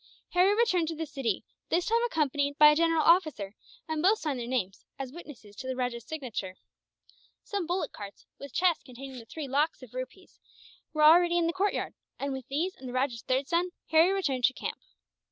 Harry returned to the city, this time accompanied by a general officer, and both signed their names as witnesses to the rajah's signature. Some bullock carts, with chests containing the three lakhs of rupees, were already in the courtyard; and with these and the rajah's third son, Harry returned to camp.